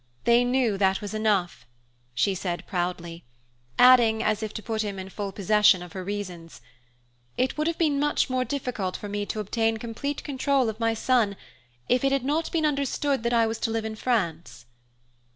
They knew that was enough," she said proudly; adding, as if to put him in full possession of her reasons: "It would have been much more difficult for me to obtain complete control of my son if it had not been understood that I was to live in France."